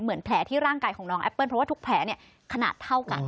เหมือนแผลที่ร่างกายของน้องแอปเปิ้ลเพราะว่าทุกแผลขนาดเท่ากัน